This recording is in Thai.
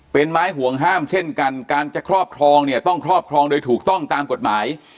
เป็นไม้ห่วงห้ามเช่นกันการจะครอบครองเนี่ยต้องครอบครองโดยถูกต้องตามกฎหมาย